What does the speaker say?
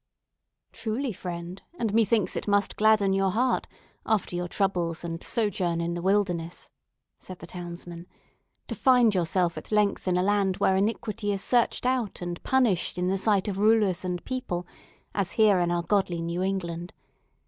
"Truly, friend; and methinks it must gladden your heart, after your troubles and sojourn in the wilderness," said the townsman, "to find yourself at length in a land where iniquity is searched out and punished in the sight of rulers and people, as here in our godly New England.